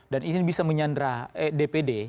dan ini bisa menyandara dpd